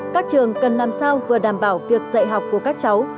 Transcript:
các trường cần làm sao vừa đảm bảo việc dạy học của các cháu